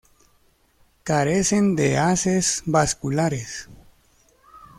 Carecen de haces vasculares.